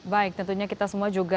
baik tentunya kita semua juga